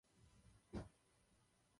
Těchto druhů bylo popsáno několik desítek.